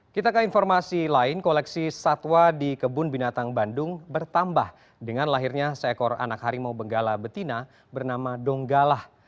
kita ke informasi lain koleksi satwa di kebun binatang bandung bertambah dengan lahirnya seekor anak harimau benggala betina bernama donggalah